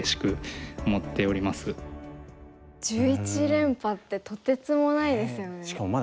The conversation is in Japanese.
１１連覇ってとてつもないですよね。